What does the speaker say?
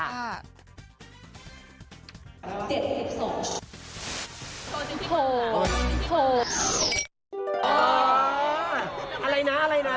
อะไรนะอะไรนะ